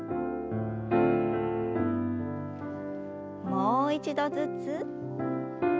もう一度ずつ。